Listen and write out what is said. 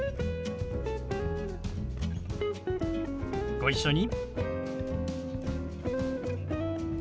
ご一緒に。